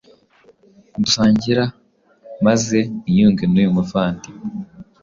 dusangira maze niyunge n’uyu muvandiwe